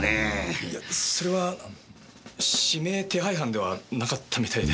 いやそれは指名手配犯ではなかったみたいで。